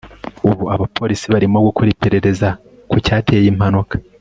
ubu abapolisi barimo gukora iperereza ku cyateye iyi mpanuka